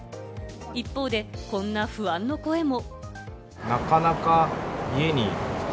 一方でこんな不安の声も。